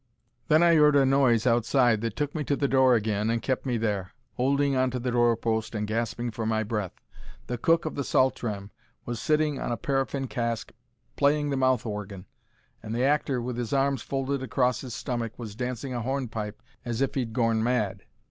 Then I 'eard a noise outside that took me to the door agin and kept me there, 'olding on to the door post and gasping for my breath. The cook of the Saltram was sitting on a paraffin cask playing the mouth orgin, and the actor, with 'is arms folded across his stummick, was dancing a horn pipe as if he'd gorn mad.